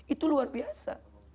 itu luar biasa